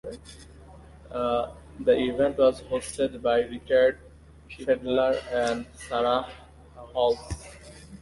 The event was hosted by Richard Fidler and Sarah Howells.